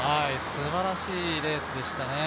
すばらしいレースでしたね。